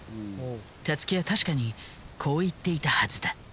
たつきは確かにこう言っていたはずだ。